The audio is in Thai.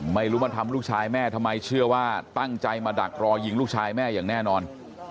ไม่รู้มาทำลูกชายแม่ทำไมเชื่อว่าตั้งใจมาดักรอยิงลูกชายแม่อย่างแน่นอน